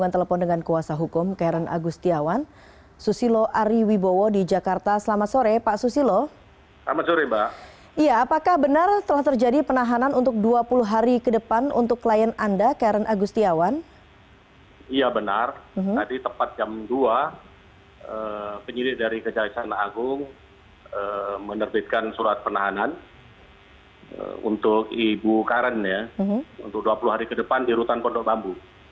dan penahan untuk ibu karen ya untuk dua puluh hari ke depan di rutan pondok bambu